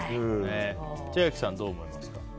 千秋さん、どう思いますか？